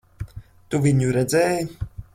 Tu viņu redzēji?